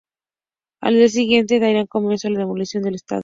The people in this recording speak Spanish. Al día siguiente darían comienzo la demolición del estadio.